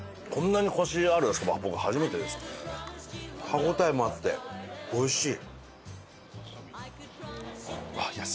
歯応えもあって美味しい。